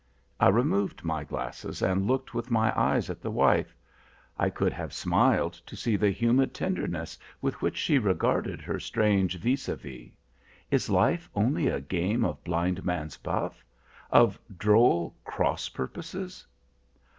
I removed my glasses, and looked with my eyes at the wife. I could have smiled to see the humid tenderness with which she regarded her strange vis à vis. Is life only a game of blind man's buff? of droll cross purposes?